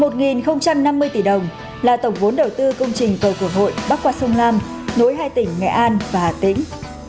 một năm mươi tỷ đồng là tổng vốn đầu tư công trình cầu cửa hội bắc qua sông lam nối hai tỉnh nghệ an và hà tĩnh